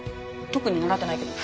特に習ってないけど。